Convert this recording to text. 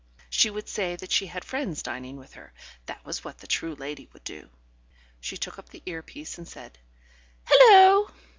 She would say that she had friends dining with her; that was what the true lady would do. She took up the ear piece and said: "Hullo!"